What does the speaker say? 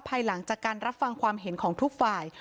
ภายหลังจากการรับฟังความเห็นของทุกฝ่าย